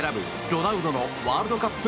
ロナウドのワールドカップ